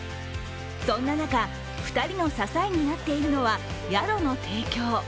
そんな中、２人の支えになっているのは、宿の提供。